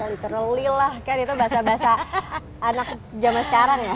literally lah kan itu bahasa bahasa anak zaman sekarang ya